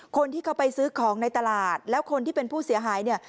คนที่เขาไปซื้อของในตลาดแล้วคนที่เป็นผู้เสียหายเนี่ย